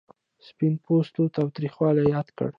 سپین پوستو تاوتریخوالی یاد کړ.